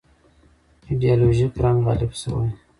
ایدیالوژیک رنګ غالب شوی.